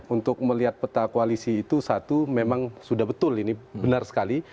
untuk melihat peta koalisi itu satu memang sudah betul ini benar sekali